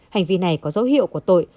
hành vi này có dấu hiệu của tội